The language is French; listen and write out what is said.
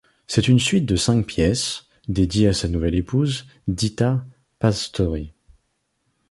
C'est une suite de cinq pièces, dédiée à sa nouvelle épouse, Ditta Pásztory.